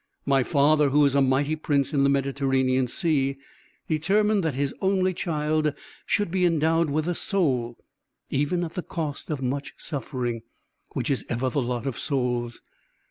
My father, who is a mighty prince in the Mediterranean Sea, determined that his only child should be endowed with a soul, even at the cost of much suffering, which is ever the lot of souls.